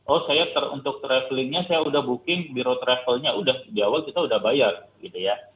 oh saya untuk travelingnya saya udah booking biro travelnya udah di awal kita udah bayar gitu ya